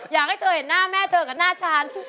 อยากให้เธอเห็นหน้าแม่เธอกับหน้าฉัน